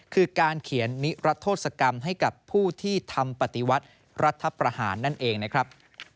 คือการเขียนนิรัฐโทษกรรมให้กับผู้ที่ทำปฏิวัติรัฐประหารนั่นเองนะครับ